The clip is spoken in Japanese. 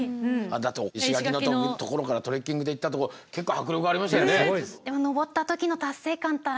だって石垣のところからトレッキングで行ったところ結構迫力ありましたよね。